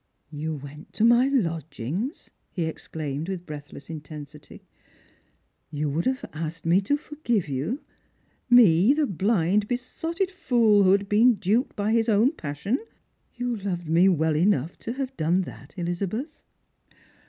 ' You went to my lodgings !" he exclaimed, with breathless intensity. " You would have asked me to forgive you, me, the blind besotted fool who had been duped by his own passion ! You loved me well enough to have done that, Ehzabeth